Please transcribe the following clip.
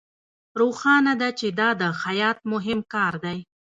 روښانه ده چې دا د خیاط مهم کار دی